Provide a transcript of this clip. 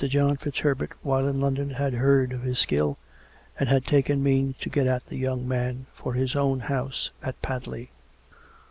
John FitzHerbert while in London had heard of his skill, and had taken means to get at the young man, for his own house at Padley.